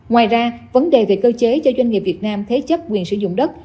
ngoài ra vấn đề về cơ chế cho doanh nghiệp việt nam thế chấp quyền sử dụng đất